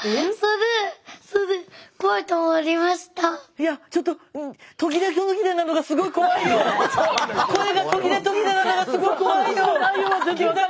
いやちょっと声が途切れ途切れなのがすごい怖いよ玖太君。